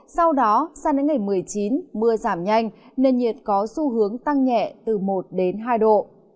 sau đó sang đến ngày một mươi chín mưa giảm nhanh nền nhiệt có xu hướng tăng nhẹ từ một đến hai độ